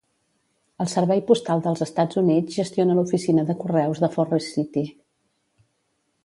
El Servei Postal dels Estats Units gestiona l'oficina de correus de Forrest City.